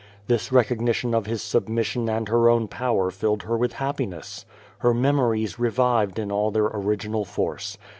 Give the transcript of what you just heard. This recognition of his submission and her own power filled her with happiness. Her memories re vived in all their original force.